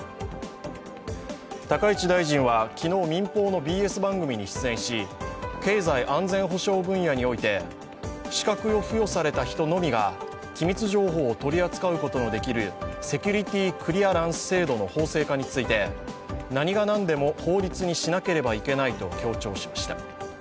高市大臣は昨日、民放のＢＳ番組に出演し経済安全保障分野において資格を付与された人のみが機密情報を取り扱うことのできるセキュリティ・クリアランス制度の法制化について何が何でも法律にしなければいけないと強調しました。